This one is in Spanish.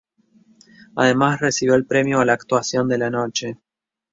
Además, recibió el premio a la "Actuación de la Noche".